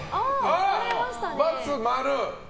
×、○。